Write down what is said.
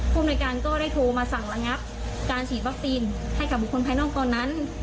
ภูมิในการก็ได้โทรมาสั่งระงับการฉีดวัคซีนให้กับบุคคลภายนอกตอนนั้น